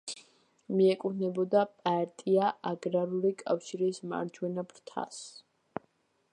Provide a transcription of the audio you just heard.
მიეკუთვნებოდა პარტია აგრარული კავშირის მარჯვენა ფრთას.